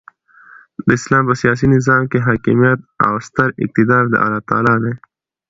د اسلام په سیاسي نظام کښي حاکمیت او ستر اقتدار د االله تعالى دي.